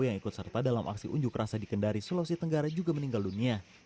yang ikut serta dalam aksi unjuk rasa di kendari sulawesi tenggara juga meninggal dunia